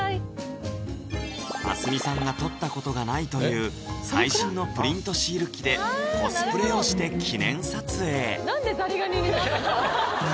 明日海さんが撮ったことがないという最新のプリントシール機でコスプレをして記念撮影何でザリガニになった？